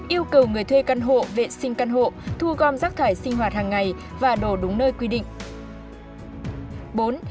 ba yêu cầu người thuê căn hộ vệ sinh căn hộ thu gom rác thải sinh hoạt hàng ngày và đổ đúng nơi quy định